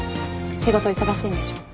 仕事忙しいんでしょ。